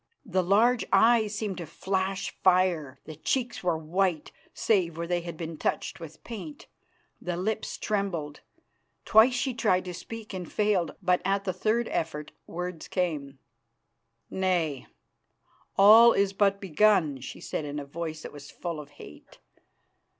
The large eyes seemed to flash fire, the cheeks were white, save where they had been touched with paint, the lips trembled. Twice she tried to speak and failed, but at the third effort words came. "Nay, all is but begun," she said in a voice that was full of hate.